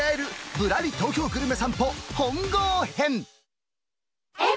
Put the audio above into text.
ぶらーり東京グルメ散歩本郷編。